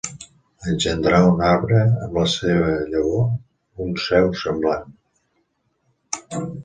Engendrar un arbre, amb la seva llavor, un seu semblant.